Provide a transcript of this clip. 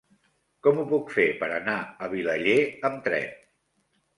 Com ho puc fer per anar a Vilaller amb tren?